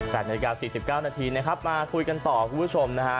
นาฬิกา๔๙นาทีนะครับมาคุยกันต่อคุณผู้ชมนะฮะ